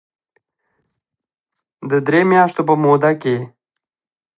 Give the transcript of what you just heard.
د درې مياشتو په موده کې